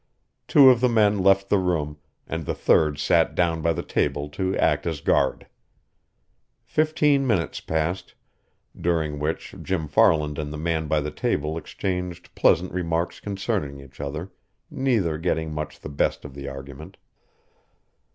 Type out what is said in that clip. Two of the men left the room, and the third sat down by the table to act as guard. Fifteen minutes passed, during which Jim Farland and the man by the table exchanged pleasant remarks concerning each other, neither getting much the best of the argument.